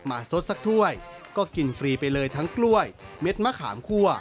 สดสักถ้วยก็กินฟรีไปเลยทั้งกล้วยเม็ดมะขามคั่ว